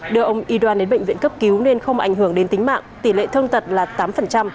đưa ông y đoan đến bệnh viện cấp cứu nên không ảnh hưởng đến tính mạng tỷ lệ thương tật là tám